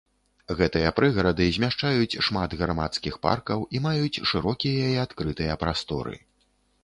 Гэтыя прыгарады змяшчаюць шмат грамадскіх паркаў і маюць шырокія і адкрытыя прасторы.